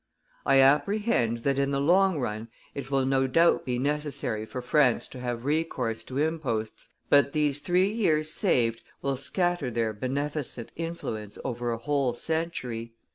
I apprehend that in the long run it will no doubt be necessary for France to have recourse to imposts, but these three years saved will scatter their beneficent influence over a whole century.